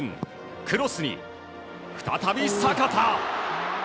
クロスに、再び阪田！